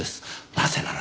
なぜなら。